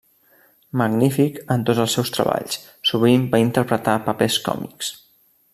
Magnífic en tots els seus treballs, sovint va interpretar papers còmics.